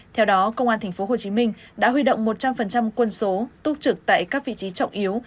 theo đó công an tp hcm đã huy động một trăm linh quân số túc trực tại các vị trí trọng yếu